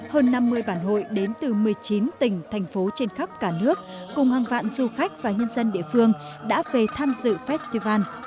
hơn năm mươi bản hội đến từ một mươi chín tỉnh thành phố trên khắp cả nước cùng hàng vạn du khách và nhân dân địa phương đã về tham dự festival